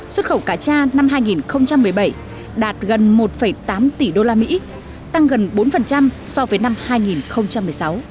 xuất khẩu cá cha năm hai nghìn một mươi bảy đạt gần một tám tỷ đô la mỹ tăng gần bốn so với năm hai nghìn một mươi sáu